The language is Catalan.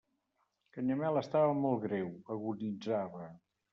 Canyamel estava molt greu: agonitzava.